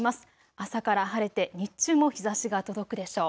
朝から晴れて日中も日ざしが届くでしょう。